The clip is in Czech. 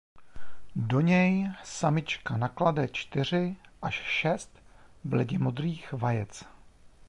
Do něj samička naklade čtyři až šest bledě modrých vajec.